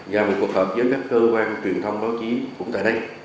và việc cuộc họp với các cơ quan truyền thông báo chí cũng tại đây